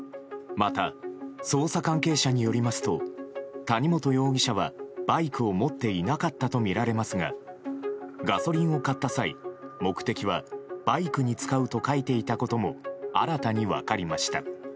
また捜査関係者によりますと谷本容疑者はバイクを持っていなかったとみられますがガソリンを買った際目的はバイクに使うと書いていたことも新たに分かりました。